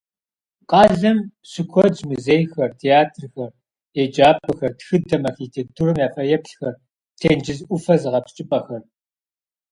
Къалэм щыкуэдщ музейхэр, театрхэр, еджапӀэхэр, тхыдэм, архитектурэм я фэеплъхэр, тенджыз Ӏуфэ зыгъэпскӀыпӀэхэр.